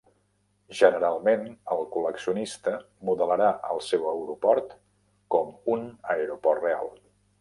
Generalment, el col·leccionista modelarà el seu aeroport com un aeroport real.